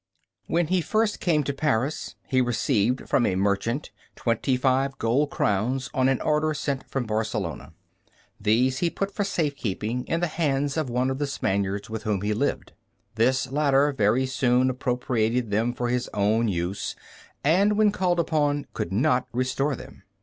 When he first came to Paris, he received from a merchant twenty five gold crowns on an order sent from Barcelona. These he put for safekeeping in the hands of one of the Spaniards with whom he lived. This latter very soon appropriated them for his own use, and when called upon, could not restore them.